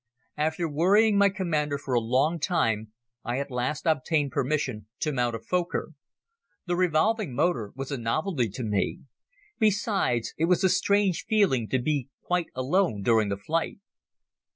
After worrying my commander for a long time I at last obtained permission to mount a Fokker. The revolving motor was a novelty to me. Besides, it was a strange feeling to be quite alone during the flight.